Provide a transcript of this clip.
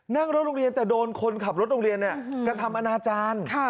นั่งรถโรงเรียนแต่โดนคนขับรถโรงเรียนกระทำอนาจารย์